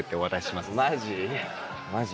マジ？